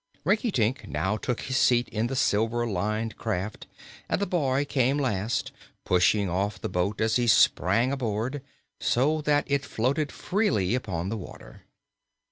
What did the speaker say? Rinkitink now took his seat in the silver lined craft and the boy came last, pushing off the boat as he sprang aboard, so that it floated freely upon the water.